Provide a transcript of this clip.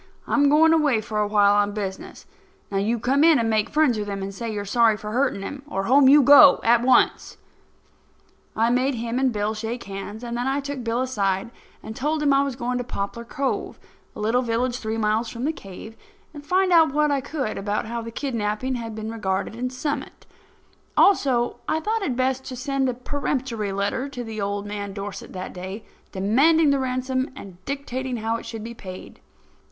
I'm going away for a while, on business. Now, you come in and make friends with him and say you are sorry for hurting him, or home you go, at once." I made him and Bill shake hands, and then I took Bill aside and told him I was going to Poplar Cove, a little village three miles from the cave, and find out what I could about how the kidnapping had been regarded in Summit. Also, I thought it best to send a peremptory letter to old man Dorset that day, demanding the ransom and dictating how it should be paid.